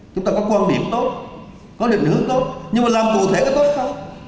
chúng ta có quan điểm tốt có định hướng tốt nhưng mà làm cụ thể có tốt không